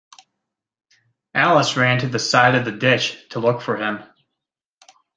Alice ran to the side of the ditch to look for him.